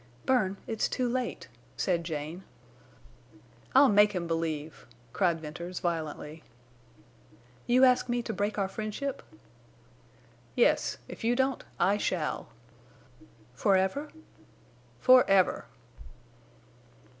"Bern, it's too late," said Jane. "I'll make him believe!" cried Venters, violently. "You ask me to break our friendship?" "Yes. If you don't, I shall." "Forever?" "Forever!"